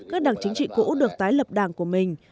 các đảng chính trị cũ được tái lập đảng của mình